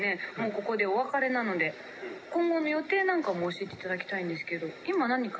ここでお別れなので今後の予定なんかも教えて頂きたいんですけど今何か決まってることって？」。